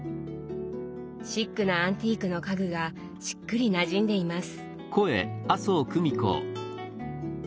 シックなアンティークの家具がしっくりなじんでいます。